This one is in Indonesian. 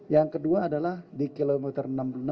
yang kedua adalah di kilometer enam puluh enam